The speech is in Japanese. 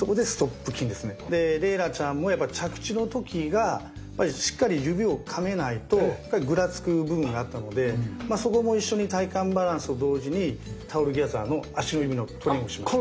麗楽ちゃんも着地の時がしっかり指をかめないとぐらつく部分があったのでそこも一緒に体幹バランスと同時にタオルギャザーの足の指のトレーニングをしました。